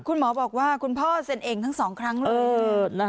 คุณหมอบอกว่าคุณพ่อเซ็นเองทั้งสองครั้งเลย